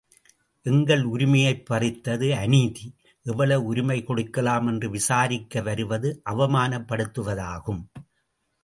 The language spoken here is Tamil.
எங்கள் உரிமையைப் பறித்தது அநீதி, எவ்வளவு உரிமை கொடுக்கலாமென்று விசாரிக்க வருவது அவமானப்படுத்துவதாகும்.